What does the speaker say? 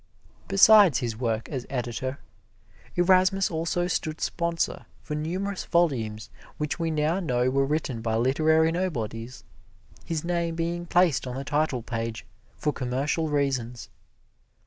Besides his work as editor, Erasmus also stood sponsor for numerous volumes which we now know were written by literary nobodies, his name being placed on the title page for commercial reasons.